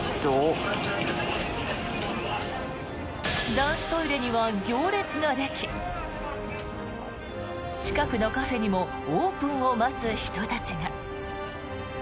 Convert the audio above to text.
男子トイレには行列ができ近くのカフェにもオープンを待つ人たちが。